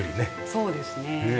そうですね。